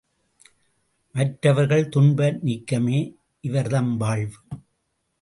மற்றவர்கள் துன்ப நீக்கமே இவர் தம் வாழ்வு.